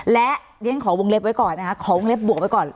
และเรียนขอวงเล็บไว้ก่อนนะคะขอวงเล็บบวกไว้ก่อน